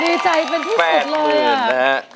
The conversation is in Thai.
ดีใจเป็นที่สุดเลยอ่ะ